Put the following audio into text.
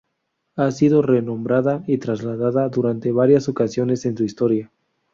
Ha sido renombrada y trasladada durante varias ocasiones en su historia.